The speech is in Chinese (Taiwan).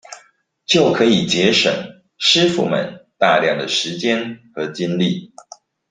就可以節省師傅們大量的時間和精力